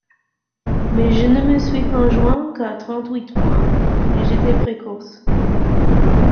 Mais je ne me suis conjoint qu’à trente-huit, moi !… et j’étais précoce !…